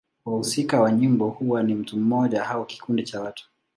Wahusika wa nyimbo huwa ni mtu mmoja au kikundi cha watu.